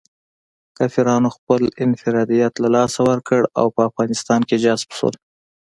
کافرانو خپل انفرادیت له لاسه ورکړ او په افغانستان کې جذب شول.